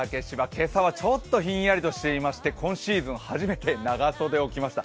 今朝はちょっとひんやりしていまして今シーズン初めて長袖を着ました。